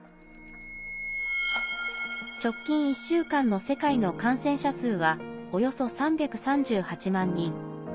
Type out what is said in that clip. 直近１週間の世界の感染者数はおよそ３３８万人。